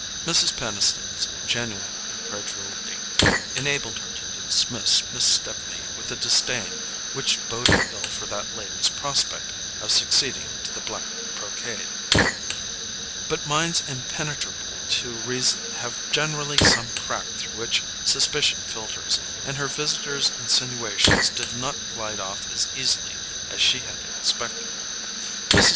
Mrs. Peniston's genuine incredulity enabled her to dismiss Miss Stepney with a disdain which boded ill for that lady's prospect of succeeding to the black brocade; but minds impenetrable to reason have generally some crack through which suspicion filters, and her visitor's insinuations did not glide off as easily as she had expected. Mrs.